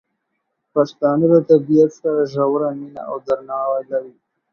پښتانه له طبیعت سره ژوره مینه او درناوی لري.